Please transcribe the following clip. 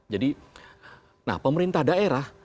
jadi nah pemerintah daerah